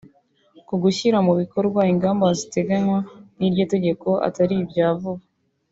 ko gushyira mu bikorwa ingamba ziteganywa n’iryo tegeko atari ibya vuba